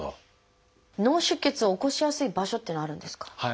脳出血を起こしやすい場所っていうのはあるんですか？